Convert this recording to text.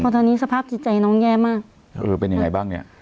ตอนนี้สภาพจิตใจน้องแย่มากเออเป็นยังไงบ้างเนี้ย